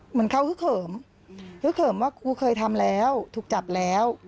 เหมือนเขาฮึกเขิมฮึกเขิมว่าครูเคยทำแล้วถูกจับแล้ว